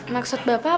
maksud bapak apa ya pak